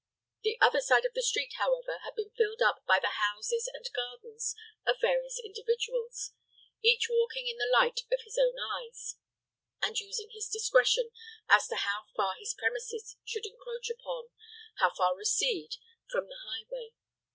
The other side of the street, however, had been filled up by the houses and gardens of various individuals, each walking in the light of his own eyes, and using his discretion as to how far his premises should encroach upon, how far recede from the highway.